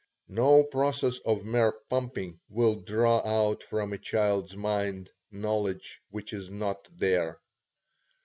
No process of mere pumping will draw out from a child's mind knowledge which is not there.